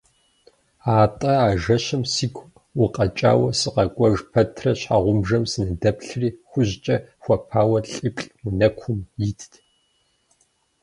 Атӏэ, а жэщым сигу укъэкӏауэ сыкъэкӏуэж пэтрэ, щхьэгъубжэм сыныдэплъри, хужькӏэ хуэпауэ лӏиплӏ унэкум итт.